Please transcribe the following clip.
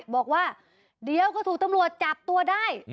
บอกว่าเดี๋ยวก็ถูกตำรวจจับตัวได้